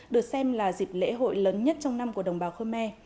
được xem là dịp lễ hội lớn nhất trong năm của đồng bào khơ me